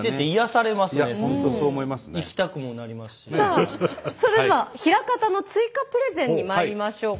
さあそれでは枚方の追加プレゼンにまいりましょうか。